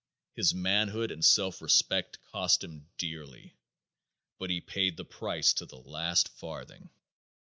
His manhood and self respect cost him dearly, but he paid the price to the last farthing.